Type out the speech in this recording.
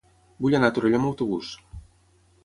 Vull anar a Torelló amb autobús.